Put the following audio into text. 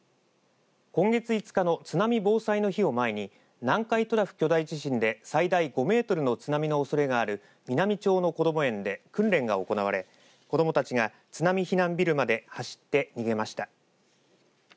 今月５日の津波防災の日を前に南海トラフ巨大地震で最大５メートルの津波のおそれがある美波町のこども園で訓練が行われ子どもたちが、津波避難ビルまで走って逃げました。